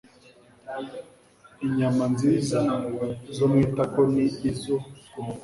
inyama nziza zo ku itako n izo